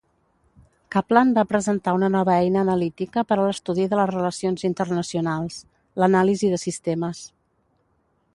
Kaplan va presentar una nova eina analítica per a l'estudi de les relacions internacionals, l'"anàlisi de sistemes".